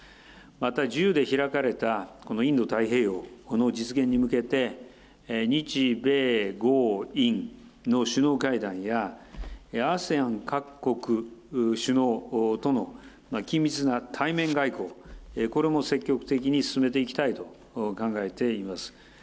また自由で開かれたインド太平洋、この実現に向けて、日米豪印の首脳会談や、ＡＳＥＡＮ各国首脳との緊密な対面外交、これも積極的に進めていきたいと考えています。